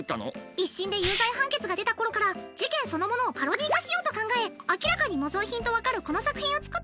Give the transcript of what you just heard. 一審で有罪判決が出た頃から事件そのものをパロディー化しようと考え明らかに「模造品」とわかるこの作品を作ったの。